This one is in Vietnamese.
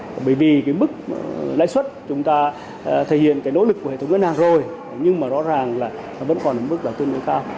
bởi vì cái mức lãi suất chúng ta thể hiện cái nỗ lực của hệ thống ngân hàng rồi nhưng mà rõ ràng là nó vẫn còn ở mức là tương đối cao